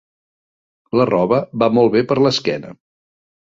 La roba va molt bé per a l'esquena.